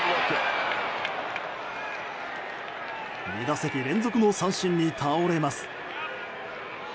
２打席連続の三振に倒れます。